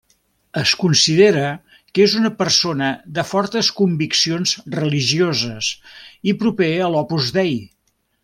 Es considera que és una persona de fortes conviccions religioses i proper a l'Opus Dei.